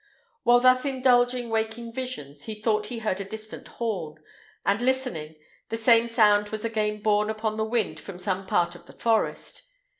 While thus indulging waking visions, he thought he heard a distant horn, and listening, the same sound was again borne upon the wind from some part of the forest.